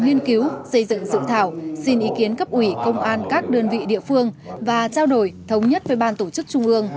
nghiên cứu xây dựng dự thảo xin ý kiến cấp ủy công an các đơn vị địa phương và trao đổi thống nhất với ban tổ chức trung ương